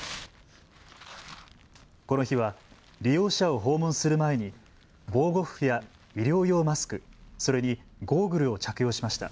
この日は利用者を訪問する前に防護服や医療用マスクそれにゴーグルを着用しました。